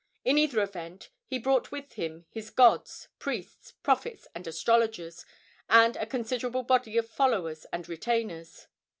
In either event, he brought with him his gods, priests, prophets and astrologers, and a considerable body of followers and retainers.